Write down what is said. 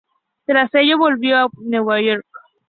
Tras ello, volvió a Norfolk.